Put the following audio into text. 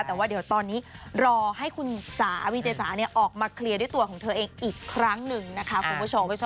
แต่ว่าเดี๋ยวตอนนี้รอให้คุณจ๋าวีเจจ๋าออกมาเคลียร์ด้วยตัวของเธอเองอีกครั้งหนึ่งนะคะคุณผู้ชม